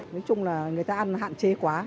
nói chung là người ta ăn hạn chế quá